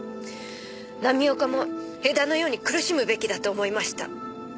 浪岡も江田のように苦しむべきだと思いました。